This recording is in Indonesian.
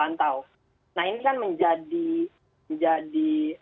nah ini kan menjadi